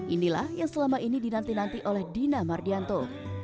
inilah yang selama ini dinanti nanti oleh dina mardianto